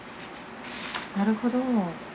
なるほど。